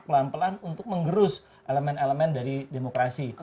pelan pelan untuk menggerus elemen elemen dari demokrasi